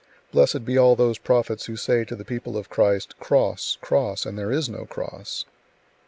Blessed be all those prophets who say to the people of Christ, "Cross, cross," and there is no cross!